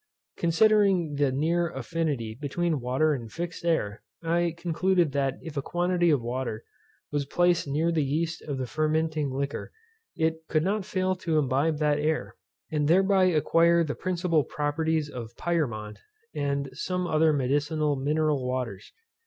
Considering the near affinity between water and fixed air, I concluded that if a quantity of water was placed near the yeast of the fermenting liquor, it could not fail to imbibe that air, and thereby acquire the principal properties of Pyrmont, and some other medicinal mineral waters.